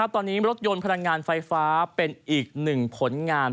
ตอนนี้รถยนต์พลังงานไฟฟ้าเป็นอีกหนึ่งผลงาน